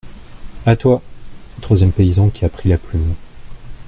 A toi ! troisième paysan qui a pris la plume.